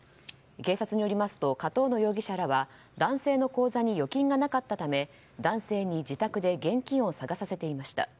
警察によりますと上遠野容疑者らは男性の口座に預金がなかったため男性に自宅で現金を探させていました。